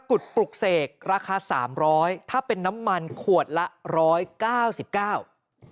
สกุลปลูกเสกราคา๓๐๐บาทถ้าเป็นน้ำมันขวดละ๑๙๙บาท